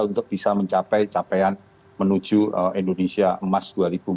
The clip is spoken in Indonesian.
untuk bisa mencapai capaian menuju indonesia emas dua ribu dua puluh empat